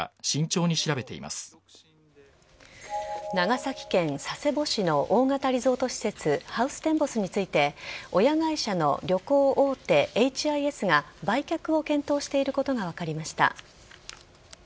長崎県佐世保市の大型リゾート施設ハウステンボスについて親会社の旅行大手エイチ・アイ・エスが売却を検討していることが分かりました。